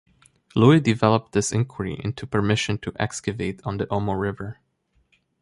Louis developed this inquiry into permission to excavate on the Omo River.